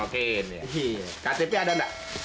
ktp ada nggak